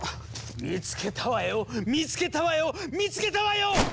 見つけたわよ見つけたわよ見つけたわよ！